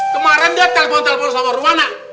kemaren dia telepon telepon sama rumana